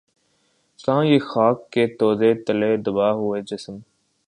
کہاں یہ خاک کے تودے تلے دبا ہوا جسم